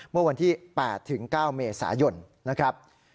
เมื่อวันที่๘ถึง๙เมษายนนะครับ